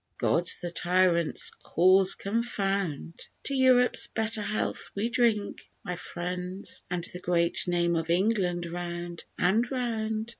God the tyrant's cause confound! To Europe's better health we drink, my friends, And the great name of England round and round.